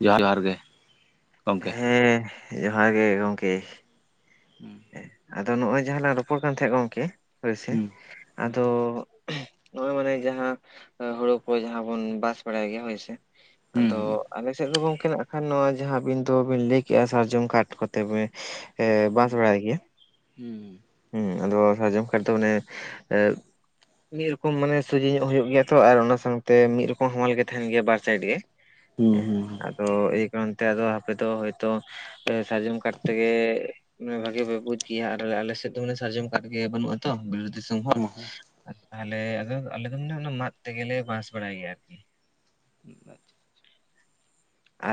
ᱡᱚᱦᱟᱨ ᱡᱚᱦᱟᱨ ᱜᱮ᱾ ᱜᱚᱢᱠᱮ ᱦᱮᱸ ᱡᱚᱦᱟᱨ ᱜᱮ ᱜᱚᱝᱠᱮ ᱾ ᱦᱩᱸ ᱟᱫᱚ ᱱᱚᱜ-ᱚᱭ ᱡᱟᱦᱟᱸ ᱞᱟᱝ ᱨᱚᱯᱚᱲ ᱠᱟᱱ ᱛᱟᱦᱮᱸᱫ ᱜᱚᱝᱠᱮ ᱦᱳᱭ ᱥᱮ᱾ ᱦᱩᱸ ᱦᱩᱸ ᱟᱫᱚ ᱱᱚᱜ-ᱚᱭ ᱢᱟᱱᱮ ᱡᱟᱦᱟᱸ ᱦᱩᱲᱩ ᱠᱚ ᱡᱟᱦᱟᱸ ᱵᱚᱱ ᱵᱟᱥ ᱵᱟᱲᱟᱭ ᱜᱮᱭᱟ ᱦᱳᱭ ᱥᱮ᱾ ᱟᱫᱚ ᱟᱞᱮ ᱥᱮᱫ ᱫᱚ ᱜᱚᱝᱠᱮ ᱱᱟᱜ᱾ ᱠᱷᱟᱱ ᱱᱚᱶᱟ ᱡᱟᱦᱟᱸ ᱟᱹᱵᱤᱱ ᱫᱚᱵᱤᱱ ᱞᱟᱹᱭ ᱠᱮᱜᱼᱟ᱾ ᱥᱟᱨᱡᱚᱢ ᱠᱟᱴ ᱠᱚᱛᱮ ᱵᱮᱱ ᱮ ᱦᱩᱸ ᱫᱷᱚᱲᱟᱭ ᱜᱮᱭᱟ ᱦᱩᱸ ᱦᱮᱸ ᱟᱫᱚ ᱥᱟᱨᱡᱚᱢ ᱠᱟᱴ ᱫᱚ ᱚᱱᱮ ᱮ ᱢᱤᱫ ᱨᱚᱠᱚᱢ ᱢᱟᱱᱮ ᱥᱚᱡᱮ ᱧᱚᱜ ᱦᱩᱭᱳᱜ ᱜᱮᱭᱟ ᱛᱚ ᱟᱨ ᱚᱱᱟ ᱥᱟᱶᱛᱮ ᱢᱤᱫ ᱨᱚᱠᱚᱢ ᱦᱟᱢᱟᱞ ᱜᱮ ᱛᱟᱦᱮᱱ ᱜᱮᱭᱟ ᱵᱟᱨ ᱥᱟᱭᱤᱰ ᱜᱮ᱾ ᱦᱩᱸ ᱦᱩᱸ ᱦᱩᱸ᱾ ᱛᱚ ᱮᱭ ᱠᱟᱨᱚᱱ ᱛᱮ ᱟᱫᱚ ᱟᱯᱮ ᱫᱚ ᱦᱚᱭᱛᱚ ᱥᱟᱨᱡᱚᱢ ᱠᱟᱴ ᱛᱮᱜᱮ᱾ ᱢᱟᱱᱮ ᱵᱷᱟᱜᱮ ᱵᱮ ᱵᱩᱡ ᱜᱮᱭᱟ ᱟᱨ ᱟᱞᱮ ᱥᱮᱫ ᱫᱚ ᱢᱟᱱᱮ ᱥᱟᱨᱡᱚᱢ ᱠᱟᱴ ᱜᱮ ᱵᱟᱹᱱᱩᱜᱼᱟ ᱛᱚ ᱵᱤᱞᱟᱹᱛ ᱫᱤᱥᱚᱢ ᱦᱚᱲ᱾ ᱦᱩᱸ ᱛᱟᱦᱚᱞᱮ ᱟᱫᱚ ᱟᱞᱮ ᱫᱚ ᱢᱟᱱᱮ ᱚᱱᱟ ᱢᱟᱫ ᱛᱮᱜᱮᱞᱮ ᱵᱟᱥ ᱵᱟᱲᱟᱭ ᱜᱮᱭᱟ ᱟᱨ ᱠᱤ᱾ [unintelligible]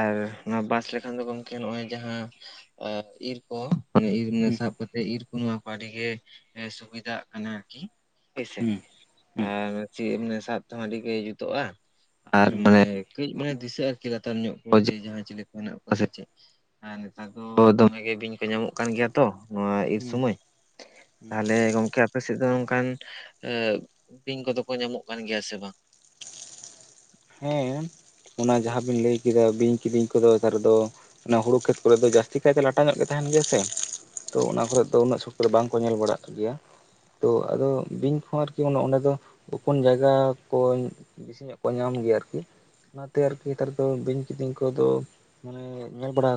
ᱟᱨ ᱱᱚᱣᱟ ᱵᱟᱥ ᱞᱮᱠᱷᱟᱱ ᱫᱚ ᱜᱚᱝᱠᱮ ᱱᱚᱜ-ᱚᱭ ᱡᱟᱦᱟᱸ ᱤᱨ ᱠᱚ ᱢᱟᱱᱮ ᱤᱨ ᱢᱟᱱᱮ ᱥᱟᱵ ᱠᱟᱛᱮᱫ ᱤᱨ ᱠᱚ ᱱᱚᱣᱟ ᱠᱚ ᱟᱹᱰᱤ ᱜᱮ ᱥᱩᱵᱤᱫᱟᱜ ᱠᱟᱱᱟ ᱟᱨᱠᱤ ᱦᱳᱭ ᱥᱮ ᱾ ᱟᱨ ᱪᱮᱫ ᱢᱟᱱᱮ ᱥᱟᱵ ᱛᱮᱦᱚᱸ ᱟᱹᱰᱤ ᱜᱮ ᱡᱩᱛᱩᱜᱼᱟ, ᱟᱨ ᱦᱩᱸ ᱢᱟᱱᱮ ᱠᱟᱹᱡᱽ ᱢᱟᱱᱮ ᱫᱤᱥᱟᱹᱜ-ᱟ, ᱪᱤᱠᱟᱛᱮ? ᱪᱮᱛᱟᱱ ᱧᱚᱜ ᱠᱚ ᱡᱮ ᱡᱟᱦᱟᱸᱭ ᱪᱤᱞᱤ ᱠᱚ ᱦᱮᱱᱟᱜ ᱠᱚᱣᱟ ᱥᱮ ᱪᱮᱫ ᱟᱨ ᱱᱮᱛᱟᱨ ᱫᱚ ᱫᱚᱢᱮ ᱜᱮ ᱵᱤᱧ ᱠᱚ ᱧᱟᱢᱚᱜ ᱠᱟᱱ ᱜᱮᱭᱟ ᱾ ᱛᱚ ᱱᱚᱣᱟ ᱤᱨ ᱦᱩᱸ ᱥᱚᱢᱟᱹᱭ ᱦᱩᱸ ᱛᱟᱦᱚᱞᱮ ᱜᱚᱝᱠᱮ ᱟᱯᱮ ᱥᱮᱫ ᱫᱚ ᱱᱚᱝᱠᱟ ᱟᱹ ᱵᱤᱧ ᱠᱚᱫᱚ ᱠᱚ ᱧᱟᱢᱚᱜ ᱠᱟᱱ ᱜᱮᱭᱟ ᱥᱮ ᱵᱟᱝ? ᱦᱮᱸ ᱚᱱᱟ ᱡᱟᱦᱟᱸᱵᱤᱱ ᱞᱟᱹᱭ ᱠᱮᱫᱟ ᱵᱤᱧ ᱠᱤᱫᱤᱧ ᱠᱚᱫᱚ [unintelligible] ᱨᱮᱫᱚ ᱚᱱᱟ ᱦᱩᱲᱩ ᱠᱷᱮᱛ ᱠᱚᱨᱮ ᱫᱚ ᱡᱟᱥ ᱛᱤ ᱠᱟᱭ ᱛᱮ ᱞᱟᱴᱟ ᱧᱚᱜ ᱜᱮ ᱛᱟᱸᱦᱮᱱ ᱜᱮᱭᱟ ᱥᱮ ᱛᱚ ᱚᱱᱟ ᱠᱚᱨᱮᱜ ᱫᱚ ᱩᱱᱟᱹᱜ ᱥᱚᱠᱛᱚ ᱫᱚ ᱵᱟᱝᱠᱚ ᱧᱮᱞ ᱵᱟᱲᱟᱜ ᱜᱮᱭᱟ᱾ ᱛᱚ ᱟᱫᱚ ᱵᱤᱧ ᱠᱚᱦᱚᱸ ᱟᱨᱠᱤ ᱚᱱᱮ ᱚᱸᱰᱮ ᱫᱚ ᱜᱳᱯᱳᱱ ᱡᱟᱭᱜᱟ ᱠᱚ ᱵᱤᱥᱤᱧᱚᱜ ᱠᱚ ᱧᱟᱢ ᱜᱮᱭᱟ ᱟᱨᱠᱤ ᱚᱱᱟᱛᱮ ᱟᱨᱠᱤ ᱱᱮᱛᱟᱨ ᱫᱚ ᱵᱤᱧ ᱠᱤᱫᱤᱧ ᱠᱚᱫᱚ ᱢᱟᱱᱮ ᱧᱮᱞ ᱵᱟᱲᱟ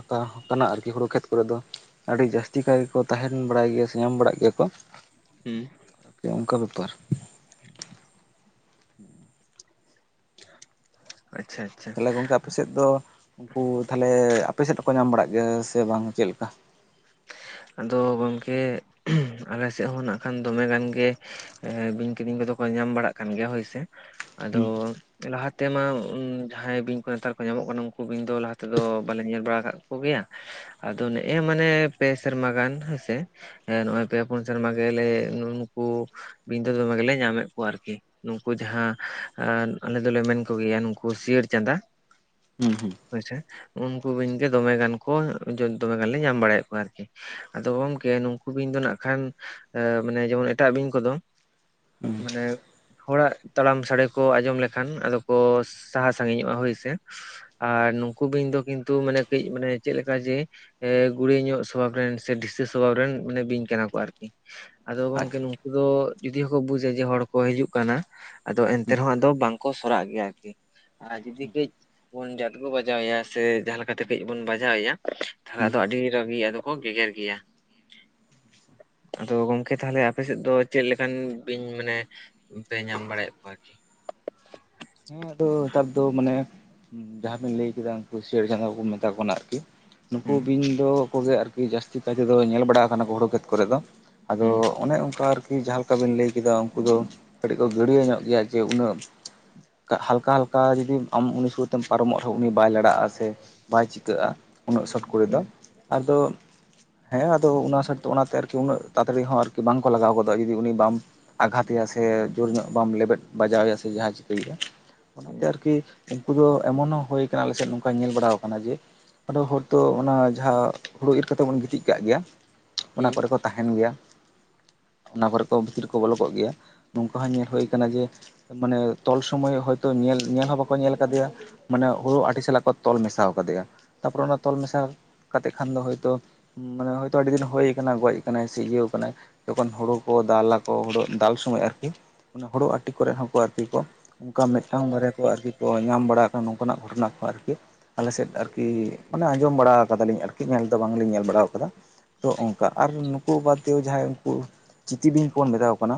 ᱠᱟᱱᱟ ᱟᱨᱠᱤ ᱦᱩᱲᱩ ᱠᱷᱮᱛ ᱠᱚᱨᱮ ᱫᱚ᱾ ᱟᱰᱤ ᱡᱟᱹᱥᱛᱤ ᱠᱟᱭ ᱜᱮᱠᱚ ᱛᱟᱦᱮᱱ ᱵᱟᱲᱟᱭ ᱜᱮᱭᱟ ᱥᱮ ᱧᱟᱢ ᱵᱟᱲᱟᱜ ᱜᱮᱭᱟ ᱠᱚ᱾ ᱦᱩᱸ ᱾ ᱛᱮ ᱚᱱᱠᱟ ᱵᱮᱯᱟᱨ ᱟᱪᱪᱷᱟ ᱾ ᱛᱟᱦᱚᱞᱮ ᱜᱚᱝᱠᱮ ᱟᱯᱮ ᱥᱮᱫ ᱫᱚ ᱩᱱᱠᱩ ᱛᱟᱦᱟᱞᱮ ᱟᱯᱮ ᱥᱮᱫ ᱦᱚᱸᱠᱚ ᱧᱟᱢ ᱵᱟᱲᱟᱜ ᱜᱮᱭᱟ ᱥᱮ ᱵᱟᱝ ᱪᱮᱫ ᱞᱮᱠᱟ? ᱟᱫᱚ ᱜᱚᱝᱠᱮ ᱟᱞᱮ ᱥᱮᱜ ᱦᱚᱸ ᱱᱟᱜ ᱠᱷᱟᱱ ᱫᱚᱢᱮ ᱜᱟᱱ ᱜᱮ ᱵᱤᱧ ᱠᱤᱫᱤᱧ ᱠᱚᱫᱚ ᱠᱚ ᱧᱟᱢ ᱵᱟᱲᱟᱜ ᱠᱟᱱ ᱜᱮᱭᱟ ᱦᱳᱭ ᱥᱮ ᱟᱫᱚ ᱦᱩᱸ ᱞᱟᱦᱟ ᱛᱮᱢᱟ ᱡᱟᱦᱟᱸᱭ ᱵᱤᱧ ᱠᱚ ᱱᱮᱛᱟᱨ ᱠᱚ ᱧᱟᱢᱚᱜ ᱠᱟᱱᱟ ᱩᱱᱠᱩ ᱵᱤᱧ ᱫᱚ ᱞᱟᱦᱟ ᱛᱮᱫᱚ ᱵᱟᱞᱮ ᱧᱮᱞ ᱵᱟᱲᱟ ᱟᱠᱟᱫ ᱠᱚ ᱜᱮᱭᱟ ᱾ ᱟᱫᱚ ᱱᱮᱜ-ᱮ ᱢᱟᱱᱮ ᱯᱮ ᱥᱮᱨᱢᱟ ᱜᱟᱱ ᱦᱳᱭ ᱥᱮ ᱱᱚᱜ-ᱚᱭ ᱯᱮ ᱯᱩᱱ ᱥᱮᱨᱢᱟ ᱜᱮᱞᱮ ᱱᱩᱜ ᱩᱱᱠᱩ ᱵᱤᱧ ᱫᱚ ᱫᱚᱢᱮ ᱜᱮᱞᱮ ᱧᱟᱢᱮᱜ ᱠᱚᱣᱟ ᱟᱨᱠᱤ ᱾ ᱱᱩᱝᱠᱩ ᱡᱟᱦᱟᱸ ᱟᱞᱮ ᱫᱚᱞᱮ ᱢᱮᱱ ᱠᱚ ᱜᱮᱭᱟ ᱱᱩᱝᱠᱩ ᱥᱤᱭᱟᱹᱲ ᱪᱟᱸᱫᱟ ᱦᱩᱸ ᱦᱩᱸ ᱾ ᱦᱳᱭ ᱥᱮ ᱩᱱᱠᱩ ᱵᱤᱧ ᱜᱮ ᱫᱚᱢᱮ ᱜᱟᱱ ᱠᱚ ᱫᱚᱢᱮ ᱜᱟᱱᱞᱮ ᱧᱟᱢ ᱵᱟᱲᱟᱭᱮᱫ ᱠᱚᱣᱟ ᱟᱨᱠᱤ ᱾ ᱟᱫᱚ ᱜᱚᱝᱠᱮ ᱱᱩᱝᱠᱩ ᱵᱤᱧ ᱫᱚ ᱱᱟᱜ ᱠᱷᱟᱱ ᱢᱟᱱᱮ ᱡᱮᱢᱚᱱ ᱮᱴᱟᱜ ᱵᱤᱧ ᱠᱚᱫᱚ ᱦᱩᱸ ᱢᱟᱱᱮ ᱦᱚᱲᱟᱜ ᱛᱟᱲᱟᱢ ᱥᱟᱰᱮ ᱠᱚ ᱟᱸᱡᱚᱢ ᱞᱮᱠᱷᱟᱱ ᱟᱫᱚ ᱠᱚ ᱥᱟᱦᱟ ᱥᱟᱜᱤᱧᱚᱜ-ᱟ ᱦᱳᱭ ᱥᱮ ᱾ ᱟᱨ ᱱᱩᱝᱠᱩ ᱵᱤᱧ ᱫᱚ ᱠᱤᱱᱛᱩ ᱢᱟᱱᱮ ᱠᱟᱹᱡ ᱢᱟᱱᱮ ᱪᱮᱫ ᱞᱮᱠᱟ ᱡᱮ ᱮᱸᱜ ᱜᱩᱲᱤᱭᱟᱹ ᱧᱚᱜ ᱥᱚᱵᱷᱟᱵ ᱨᱮᱱ ᱥᱮ ᱰᱷᱤᱥᱟᱹᱥ ᱥᱚᱵᱷᱟᱵᱽ ᱨᱮᱱ ᱢᱟᱱᱮ ᱵᱤᱧ ᱠᱟᱱᱟ ᱠᱚ ᱟᱨᱠᱤ᱾ ᱟᱫᱚ ᱜᱚᱢᱠᱮ ᱟᱪᱪᱷᱟ ᱟᱪᱪᱷᱟ ᱱᱩᱝᱠᱩ ᱫᱚ ᱡᱩᱫᱤ ᱦᱚᱸᱠᱚ ᱵᱩᱡᱟ ᱡᱮ ᱦᱚᱲ ᱠᱚ ᱦᱤᱡᱩᱜ ᱠᱟᱱᱟ᱾ ᱟᱫᱚ ᱮᱱᱛᱮ ᱨᱮᱦᱚᱸ ᱟᱫᱚ ᱵᱟᱝᱠᱚ ᱥᱚᱨᱟᱜ ᱜᱮᱭᱟ ᱟᱨᱠᱤ ᱟᱨ ᱡᱩᱫᱤ ᱠᱟᱹᱡ ᱵᱚᱱ ᱡᱟᱛᱜᱚ ᱵᱟᱡᱟᱣᱮᱭᱟ ᱥᱮ ᱡᱟᱦᱟ ᱞᱮᱠᱟᱛᱮ ᱠᱟᱹᱡ ᱵᱚᱱ ᱵᱟᱡᱟᱣᱮᱭᱟ ᱦᱩᱸ ᱛᱟᱦᱟ ᱟᱫᱚ ᱟᱰᱤ ᱨᱟᱜᱤ ᱟᱫᱚ ᱠᱚ ᱜᱮᱜᱮᱨ ᱜᱮᱭᱟ᱾ ᱟᱫᱚ ᱜᱚᱝᱠᱮ ᱛᱟᱦᱟᱞᱮ ᱟᱯᱮ ᱥᱮᱫ ᱫᱚ ᱪᱮᱫ ᱞᱮᱠᱟᱱ ᱵᱤᱧ ᱢᱟᱱᱮ ᱯᱮ ᱧᱟᱢ ᱵᱟᱲᱟᱭᱮᱫ ᱠᱚᱣᱟ ᱟᱨᱠᱤ? ᱦᱮᱸ ᱟᱫᱚ ᱱᱮᱛᱟᱨ ᱫᱚ ᱢᱟᱱᱮ ᱡᱟᱦᱟᱸ ᱵᱮᱱ ᱞᱟᱹᱭ ᱠᱮᱫᱟ ᱩᱱᱝᱠᱩ ᱥᱤᱭᱟᱹᱲ ᱪᱷᱟᱸᱫᱟ ᱵᱚᱱ ᱢᱮᱛᱟ ᱠᱚ ᱠᱟᱱᱟ ᱟᱨᱠᱤ ᱱᱩᱠᱩ ᱦᱩᱸ ᱵᱤᱧ ᱫᱚ ᱠᱚᱜᱮ ᱟᱨᱠᱤ ᱡᱟᱥᱛᱤ ᱠᱟᱭ ᱛᱮᱫᱚ ᱧᱮᱞ ᱵᱟᱲᱟᱣ ᱟᱠᱟᱱᱟ ᱠᱚ ᱦᱩᱲᱳ ᱠᱷᱮᱛ ᱠᱚᱨᱮ ᱫᱚ᱾ ᱟᱫᱚ ᱦᱩᱸ ᱚᱱᱮ ᱚᱱᱠᱟ ᱟᱨᱠᱤ ᱡᱟᱦᱟᱸ ᱞᱮᱠᱟ ᱵᱤᱱ ᱞᱟᱹᱭ ᱠᱮᱫᱟ ᱩᱱᱠᱩ ᱫᱚ ᱠᱟᱹᱴᱤᱡ ᱠᱚ ᱜᱟᱹᱲᱭᱟᱹ ᱧᱚᱜ ᱜᱮᱭᱟ ᱡᱮ ᱩᱱᱟᱹᱜ ᱦᱟᱞᱠᱟ ᱦᱟᱞᱠᱟ ᱡᱩᱫᱤᱢ ᱟᱢ ᱩᱱᱤ ᱥᱩᱨ ᱛᱮᱢ ᱯᱟᱨᱚᱢᱚᱜ ᱨᱮᱦᱚᱸ ᱩᱱᱤ ᱵᱟᱭ ᱞᱟᱲᱟᱜ-ᱟ ᱥᱮ ᱵᱟᱭ ᱪᱤᱠᱟᱹᱜ-ᱟ ᱩᱱᱟᱹᱜ ᱥᱚᱴ ᱠᱚᱨᱮ ᱫᱚ ᱦᱩᱸ ᱟᱫᱚ ᱦᱮᱸ ᱟᱫᱚ ᱩᱱᱟᱹᱜ ᱥᱟᱴ ᱫᱚ ᱚᱱᱟᱛᱮ ᱟᱨᱠᱤ ᱩᱱᱟᱹᱜ ᱛᱟᱲᱟ ᱛᱟᱲᱤ ᱦᱚᱸ ᱟᱨᱠᱤ ᱵᱟᱝᱠᱚ ᱞᱟᱜᱟᱣ ᱜᱚᱫᱚᱜ-ᱟ ᱡᱩᱫᱤ ᱩᱱᱤ ᱵᱟᱢ ᱟᱜᱷᱟᱛᱮᱭᱟ ᱥᱮ ᱡᱳᱨ ᱧᱚᱜ ᱵᱟᱢ ᱞᱮᱵᱮᱫ ᱵᱟᱡᱟᱣᱮᱭᱟ ᱥᱮ ᱡᱟᱦᱟᱸᱭ ᱪᱤᱠᱟᱹᱭᱮᱭᱟ ᱚᱱᱟᱛᱮ ᱦᱩᱸ ᱟᱨᱠᱤ ᱩᱱᱠᱩ ᱫᱚ ᱮᱢᱚᱱ ᱦᱚᱸ ᱦᱳᱭ ᱟᱠᱟᱱᱟ ᱟᱞᱮᱥᱮᱫ ᱱᱚᱝᱠᱟ ᱧᱮᱞ ᱵᱟᱲᱟᱣᱟᱠᱟᱱᱟ ᱡᱮ ᱟᱫᱚ ᱦᱚᱨ ᱛᱚ ᱚᱱᱟ ᱡᱟᱦᱟᱸ᱾ ᱦᱩᱲᱩ ᱤᱨ ᱠᱟᱛᱮᱫ ᱵᱚᱱ ᱜᱤᱛᱤᱡ ᱠᱟᱜ ᱜᱮᱭᱟ ᱚᱱᱟ ᱦᱩᱸ ᱠᱚᱨᱮ ᱠᱚ ᱛᱟᱦᱮᱱ ᱜᱮᱭᱟ᱾ ᱚᱱᱟ ᱠᱚᱨᱮ ᱠᱚ ᱵᱷᱤᱛᱤᱨ ᱠᱚ ᱵᱚᱞᱚᱠᱚᱜ ᱜᱮᱭᱟ ᱱᱚᱝᱠᱟ ᱦᱚᱸ ᱧᱮᱞ ᱦᱩᱭ ᱟᱠᱟᱱᱟ ᱡᱮᱼᱼ ᱢᱟᱱᱮ ᱛᱚᱞ ᱥᱚᱢᱚᱭ ᱦᱚᱭᱼᱼ ᱛᱚ ᱧᱮᱞ ᱧᱮᱞ ᱦᱚᱸ ᱵᱟᱠᱚ ᱧᱮᱞ ᱟᱠᱟᱫᱤᱭᱟ ᱢᱟᱱᱮ ᱦᱳᱲᱳ ᱟᱴᱤ ᱥᱟᱞᱟᱜ ᱠᱚ ᱛᱚᱞ ᱢᱮᱥᱟᱣ ᱠᱟᱫᱤᱭᱟ ᱛᱟᱯᱚᱨᱮ ᱚᱱᱟ ᱛᱚᱞ ᱢᱮᱥᱟᱞ ᱠᱟᱛᱮᱜ ᱠᱷᱟᱱ ᱫᱚ ᱦᱳᱭᱛᱚ ᱢᱟᱱᱮ ᱦᱚᱭᱛᱚ ᱟᱹᱰᱤ ᱫᱤᱱ ᱦᱳᱭ ᱠᱟᱱᱟ ᱜᱚᱡ ᱟᱠᱟᱱᱟᱭ ᱥᱮ ᱤᱭᱟᱹᱣ ᱟᱠᱟᱱᱟᱭ ᱛᱚᱠᱷᱚᱱ ᱦᱩᱲᱩ ᱠᱚ ᱫᱟᱞᱟᱠᱚ ᱦᱩᱲᱩ ᱫᱟᱞ ᱥᱚᱢᱚᱭ ᱟᱨᱠᱤ ᱚᱱᱟ ᱦᱩᱲᱩ ᱟᱴᱤ ᱠᱚᱨᱮ ᱦᱚᱸᱠᱚ ᱟᱨᱠᱤ ᱠᱚ᱾ ᱚᱱᱠᱟ ᱢᱤᱫᱴᱟᱝ ᱵᱟᱨᱭᱟ ᱠᱚ ᱟᱨᱠᱤ ᱠᱚ ᱧᱟᱢ ᱵᱟᱲᱟ ᱟᱠᱟᱱᱟ ᱱᱚᱝᱠᱟᱱᱟᱜ ᱜᱷᱚᱴᱚᱱᱟ ᱠᱚᱦᱚᱸ ᱟᱨᱠᱤ᱾ ᱟᱞᱮ ᱥᱮᱫ ᱟᱨᱠᱤ ᱢᱟᱱᱮ ᱟᱸᱡᱚᱢ ᱵᱟᱲᱟ ᱟᱠᱟᱫᱟᱞᱤᱧ ᱟᱨᱠᱤ ᱧᱮᱞ ᱫᱚ ᱵᱟᱝᱞᱤᱧ ᱧᱮᱞ ᱵᱟᱲᱟᱣ ᱟᱠᱟᱫᱟ ᱛᱚ ᱚᱱᱠᱟ ᱟᱨ ᱱᱩᱠᱩ ᱵᱟᱫ ᱫᱤᱭᱮ ᱡᱟᱦᱟᱸᱭ ᱩᱱᱠᱩ ᱪᱤᱛᱤ ᱵᱤᱧ ᱵᱚᱱ ᱢᱮᱛᱟᱣᱟ ᱠᱚ ᱠᱟᱱᱟ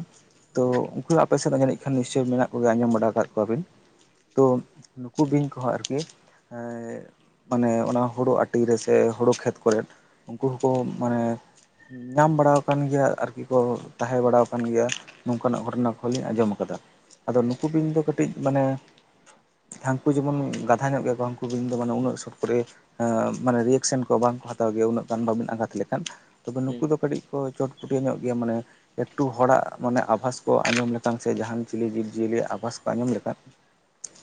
ᱛᱚ ᱩᱱᱠᱩ ᱦᱚᱸ ᱟᱯᱮ ᱥᱮᱫᱸᱡᱟᱹᱱᱤᱡ ᱠᱷᱟᱱ ᱱᱤᱥᱪᱳᱭ ᱢᱮᱱᱟᱜ ᱠᱚᱜᱮᱭᱟ ᱟᱸᱡᱚᱢ ᱵᱟᱲᱟ ᱠᱟᱜ ᱠᱚᱭᱟ ᱵᱮᱱ᱾ ᱛᱚ ᱱᱩᱠᱩ ᱵᱤᱧ ᱠᱚᱦᱚᱸ ᱟᱨᱠᱤ᱾ ᱦᱮ ᱢᱟᱱᱮ ᱚᱱᱟ ᱦᱩᱲᱩ ᱟᱹᱴᱤᱨᱮ ᱥᱮ ᱦᱩᱲᱩᱼᱼ ᱠᱷᱮᱛ ᱠᱚᱨᱮᱫ ᱩᱱᱠᱩ ᱦᱚᱸᱠᱚ ᱢᱟᱱᱮ ᱧᱟᱢ ᱵᱟᱲᱟᱣ ᱟᱠᱟᱱ ᱜᱮᱭᱟ ᱟᱨᱠᱤ ᱠᱚ᱾ ᱛᱟᱦᱮᱸ ᱵᱟᱲᱟᱣ ᱠᱟᱱ ᱜᱮᱭᱟ ᱱᱚᱝᱠᱟᱱᱟᱜ ᱜᱷᱚᱴᱚᱱᱟ ᱠᱚᱦᱚᱸ ᱞᱤᱧ ᱟᱸᱡᱚᱢ ᱟᱠᱟᱫᱟ ᱟᱫᱚ ᱱᱩᱠᱩ ᱵᱤᱧ ᱫᱚ ᱠᱟᱹᱼᱼ ᱢᱟᱱᱮ ᱦᱟᱹᱱᱠᱩ ᱡᱮᱢᱚᱱ ᱜᱟᱫᱷᱟ ᱧᱚᱜ ᱜᱮᱭᱟ ᱠᱚ ᱦᱟᱹᱱᱠᱩ ᱵᱤᱱ ᱫᱚ ᱢᱟᱱᱮ ᱩᱱᱟᱹᱜ ᱥᱴᱚ ᱠᱚᱨᱮᱼᱼ ᱦᱟ ᱢᱟᱱᱮ ᱨᱤᱭᱮᱠᱥᱮᱱ ᱠᱟ ᱵᱟᱝᱠᱚ ᱦᱟᱛᱟᱣ ᱜᱮᱭᱟ ᱩᱱᱟᱹᱜ ᱜᱟᱱ ᱵᱟᱹᱵᱤᱱ ᱟᱜᱷᱟᱛ ᱞᱮᱠᱷᱟᱱ ᱛᱚᱵᱮ ᱱᱩᱠᱩ ᱫᱚ ᱠᱟᱹᱴᱤᱡ ᱠᱚ ᱪᱚᱴᱼᱼ ᱯᱩᱴᱤᱭᱟᱹ ᱧᱚᱜ ᱜᱮᱭᱟ ᱢᱟᱱᱮᱼᱼ ᱮᱠᱴᱩ ᱦᱚᱲᱟᱜ ᱢᱟᱱᱮ ᱟᱵᱷᱟᱥ ᱠᱚ ᱟᱸᱡᱚᱢ ᱞᱮᱠᱟᱱ ᱥᱮ ᱡᱟᱦᱟᱱ ᱪᱤᱞᱤ ᱡᱤᱵᱽᱼᱡᱤᱭᱟᱹᱞᱤ ᱟᱵᱷᱟᱥ ᱠᱚ ᱟᱸᱡᱚᱢ ᱞᱮᱠᱟᱱᱼᱼ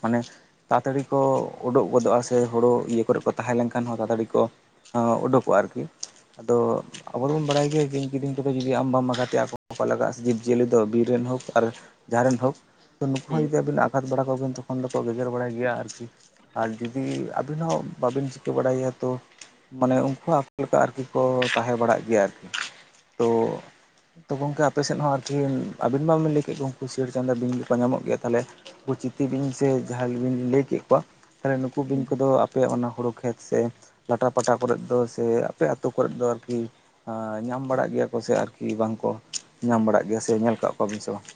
ᱢᱟᱱᱮ ᱛᱟᱲᱟᱛᱟᱹᱲᱤ ᱠᱚ ᱩᱰᱩᱠ ᱜᱚᱫᱚᱜᱼᱟ ᱥᱮ ᱦᱳᱲᱳ ᱤᱭᱟᱹ ᱠᱚᱨᱮ ᱠᱚ ᱛᱟᱦᱮᱸ ᱞᱮᱱᱠᱷᱟᱱ ᱦᱚᱸ ᱛᱟᱲᱟᱛᱟᱹᱲᱤ ᱠᱚ ᱚᱸ ᱩᱰᱩᱠᱚᱜᱼᱟ ᱟᱨᱠᱤ ᱟᱫᱚ ᱟᱵᱚ ᱫᱚᱵᱚᱱ ᱵᱟᱲᱟᱭ ᱜᱮᱭᱟ ᱵᱤᱧ ᱠᱤᱫᱤᱧᱼᱼ ᱠᱚᱫᱚ ᱡᱩᱫᱤ ᱟᱢ ᱵᱟᱢ ᱟᱜᱷᱟᱛᱮᱭᱟ ᱟᱠᱚ ᱦᱚᱸ ᱵᱟᱠᱚ ᱞᱟᱜᱟᱜᱼᱟ ᱥᱮ ᱡᱤᱵᱽᱡᱤᱭᱟᱹᱞᱤ ᱫᱚ ᱵᱤᱨ ᱨᱮᱱ ᱦᱳᱠ ᱟᱨ ᱡᱟᱦᱟᱸ ᱨᱮᱱ ᱦᱳᱠ᱾ ᱦᱳᱭ ᱦᱩᱸ ᱡᱩᱫᱤ ᱟᱵᱤᱱ ᱟᱜᱷᱟᱛ ᱵᱟᱲᱟ ᱠᱚᱣᱟᱵᱤᱱ ᱛᱚᱠᱷᱚᱱ ᱫᱚᱠᱚ ᱜᱮᱜᱮᱨ ᱵᱟᱲᱟᱭ ᱜᱮᱭᱟ ᱟᱨᱠᱤ᱾ ᱟᱨ ᱡᱩᱫᱤ ᱟᱹᱵᱤᱱ ᱦᱚᱸ ᱵᱟᱵᱤᱱ ᱪᱤᱠᱟᱹ ᱵᱟᱲᱟᱭᱮᱭᱟ ᱛᱚ᱾ ᱢᱟᱱᱮ ᱩᱱᱠᱩ ᱦᱚᱸ ᱟᱯᱮ ᱞᱮᱠᱟ ᱟᱨᱠᱤ ᱠᱚ ᱛᱟᱦᱮᱸ ᱵᱟᱲᱟᱜ ᱜᱮᱭᱟ ᱟᱨᱠᱤ ᱛᱚ᱾ ᱛᱚ ᱜᱚᱝᱠᱮ ᱟᱯᱮ ᱥᱮᱫ ᱦᱚᱸ ᱟᱨᱠᱤ ᱟᱵᱤᱱ ᱢᱟᱵᱤᱱ ᱞᱟᱹᱭ ᱠᱮᱫ ᱜᱮ ᱩᱱᱠᱩ ᱥᱤᱭᱟᱹᱲ ᱪᱟᱸᱫᱟ ᱵᱤᱧ ᱫᱚᱠᱚ ᱧᱟᱢᱚᱜ ᱜᱮᱭᱟ᱾ ᱛᱟᱦᱞᱮ ᱩᱱᱠᱩ ᱪᱤᱛᱤ ᱵᱤᱱ ᱥᱮ ᱡᱟᱦᱟᱸᱭ ᱵᱤᱱ ᱞᱟᱹᱭ ᱠᱮᱫ ᱠᱚᱣᱟ ᱛᱟᱦᱞᱮ ᱱᱩᱠᱩ ᱵᱤᱧ ᱦᱩᱸ ᱠᱚᱫᱚ᱾ ᱟᱯᱮ ᱚᱱᱟ ᱦᱩᱲᱩ ᱠᱷᱮᱛ ᱥᱮ ᱞᱟᱴᱟ ᱯᱟᱴᱟ ᱠᱚᱨᱮᱫ ᱫᱚ ᱥᱮ ᱟᱯᱮ ᱟᱹᱛᱩ ᱠᱚᱨᱮᱫ ᱫᱚ ᱟᱨᱠᱤ᱾ ᱧᱟᱢ ᱵᱟᱲᱟᱜ ᱜᱮᱭᱟ ᱠᱚ ᱥᱮ ᱟᱨᱠᱤ ᱵᱟᱝᱠᱚ ᱧᱟᱢ ᱵᱟᱲᱟᱜ ᱜᱮᱭᱟ ᱥᱮ ᱧᱮᱞ ᱠᱟᱜ ᱠᱚᱣᱟ ᱵᱤᱱ ᱥᱮ ᱵᱟᱝ ᱾